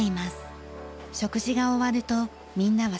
食事が終わるとみんなは作業所へ。